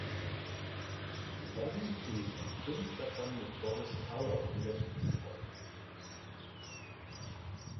Wong"-Filme, fünf davon mit Boris Karloff in der Titelrolle.